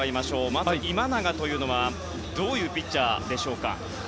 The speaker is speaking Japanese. まず、今永というのはどういうピッチャーでしょうか。